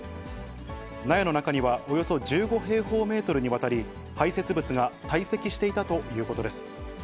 納屋の中には、およそ１５平方メートルにわたり、排せつ物が堆積していたということです。